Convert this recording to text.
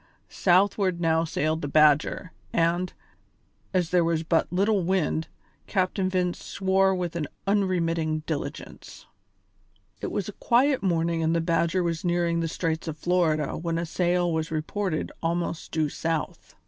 Southward now sailed the Badger, and, as there was but little wind, Captain Vince swore with an unremitting diligence. It was a quiet morning and the Badger was nearing the straits of Florida when a sail was reported almost due south.